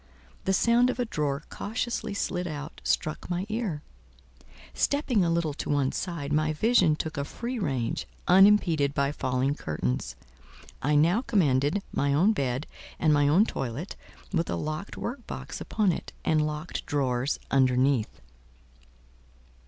The sound of a drawer cautiously slid out struck my ear; stepping a little to one side, my vision took a free range, unimpeded by falling curtains. I now commanded my own bed and my own toilet, with a locked work box upon it, and locked drawers underneath.